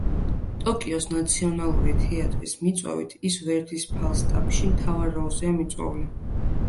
ტოკიოს ნაციონალური თეატრის მიწვევით ის ვერდის „ფალსტაფში“ მთავარ როლზეა მიწვეული.